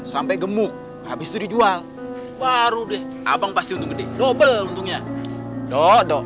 sampai gemuk habis dijual baru deh abang pasti untuk noble untungnya dodo